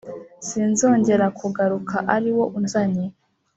sinzongera kugaruka ari wo unzanye.